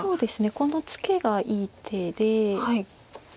このツケがいい手で。